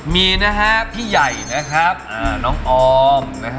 มีนะครับพี่ใหญ่เน้องออม